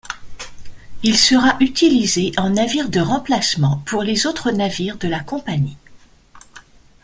Il sera utilisé en navire de remplacement pour les autres navires de la compagnie.